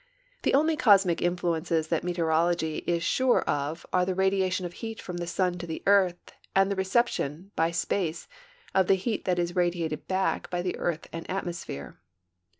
The only cosmic influences that meteorology is sure of are the radiation of heat from the sun to the earth and the reception, by space, of the heat that is radiated l)ack by the earth and atmosphere.